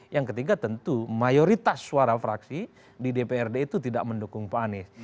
yang ketiga tentu mayoritas suara fraksi di dprd itu tidak mendukung pak anies